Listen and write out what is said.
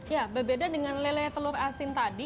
ya berbeda dengan lele telur asin tadi